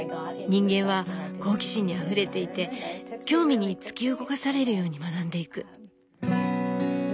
人間は好奇心にあふれていて興味に突き動かされるように学んでいく。